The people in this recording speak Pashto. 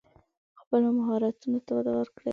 خپلو مهارتونو ته وده ورکړئ.